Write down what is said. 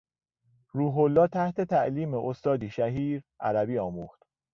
روح الله تحت تعلیم استادی شهیر عربی آموخت.